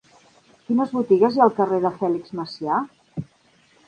Quines botigues hi ha al carrer de Fèlix Macià?